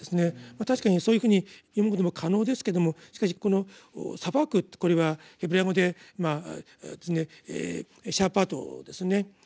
確かにそういうふうに読むことも可能ですけどもしかしこの「裁く」ってこれはヘブライ語で「シャーパト」ですね。